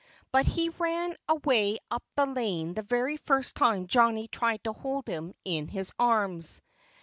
But he ran away up the lane the very first time Johnnie tried to hold him in his arms.